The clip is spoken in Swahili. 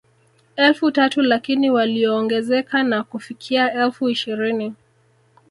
Elfu tatu lakini walioongezeka na kufikia elfu ishirini